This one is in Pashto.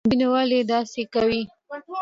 دوى نو ولې داسې کوي.